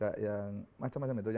enak mantap semuanya begitu ya